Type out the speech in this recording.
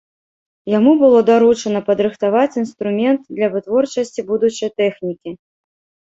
Яму было даручана падрыхтаваць інструмент для вытворчасці будучай тэхнікі.